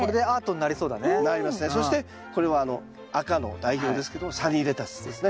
そしてこれは赤の代表ですけどもサニーレタスですね。